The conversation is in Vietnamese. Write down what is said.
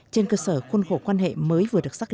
trên cơ sở khuôn khổ quan hệ mới vừa được xác định